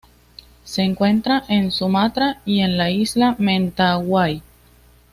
Se encuentra en Sumatra y en la isla Mentawai.